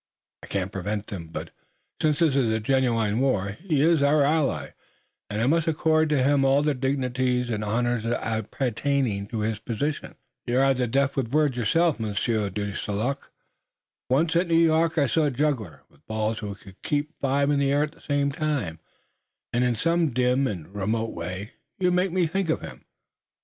I couldn't prevent them, but, since there is genuine war, he is our ally, and I must accord to him all the dignities and honors appertaining to his position." "You're rather deft with words yourself, Monsieur de St. Luc. Once, at New York, I saw a juggler with balls who could keep five in the air at the same time, and in some dim and remote way you make me think of him.